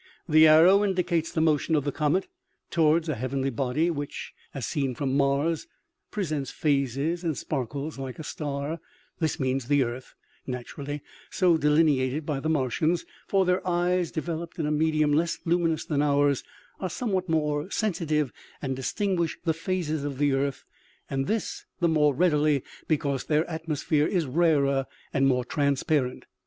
The arrow indicates the motion of the cornet towards a heav enly body, which as seen from Mars presents phases, and sparkles like a star ; this means the earth, naturally so delineated by the Martians, for their eyes, developed in a medium less luminous than ours, are somewhat more sensi tive and distinguish the phases of the Earth, and this the more readily because their atmosphere is rarer and more transparent.